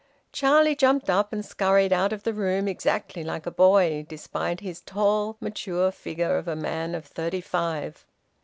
Charlie jumped up and scurried out of the room exactly like a boy, despite his tall, mature figure of a man of thirty five.